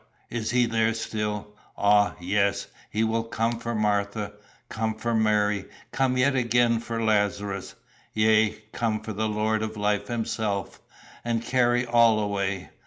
is he there still! Ah, yes, he will come for Martha, come for Mary, come yet again for Lazarus yea, come for the Lord of Life himself, and carry all away.